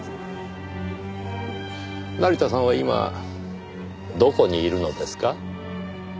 成田さんは今どこにいるのですか？